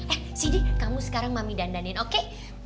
eh sidi kamu sekarang mami dandanin oke